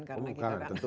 oh bukan tentu senjata